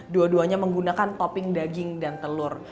dua duanya menggunakan topping daging dan telur